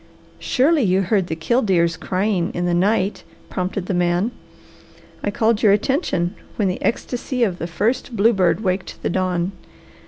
"Surely you heard the killdeers crying in the night," prompted the man. "I called your attention when the ecstasy of the first bluebird waked the dawn.